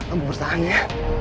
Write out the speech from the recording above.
ambu bertahan ya